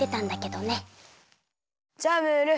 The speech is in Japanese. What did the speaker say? じゃあムール！